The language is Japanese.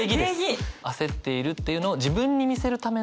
焦っているっていうのを自分に見せるための焦りというか。